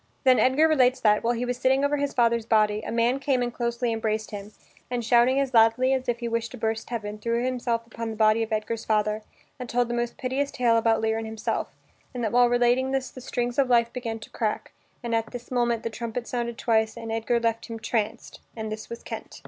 Then Edgar relates that, while he was sitting over his father's body, a man came and closely embraced him, and, shouting as loudly as if he wished to burst heaven, threw himself on the body of Edgar's father, and told the most piteous tale about Lear and himself, and that while relating this the strings of life began to crack, but at this moment the trumpet sounded twice and Edgar left him "tranced" and this was Kent.